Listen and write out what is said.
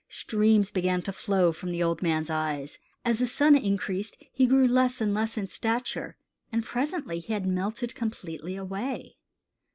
Streams began to flow from the old man's eyes. As the sun increased he grew less and less in stature, and presently he had melted completely away.